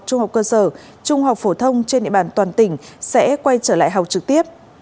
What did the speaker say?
trung học cơ sở trung học phổ thông trên địa bàn toàn tỉnh sẽ quay trở lại học trực tiếp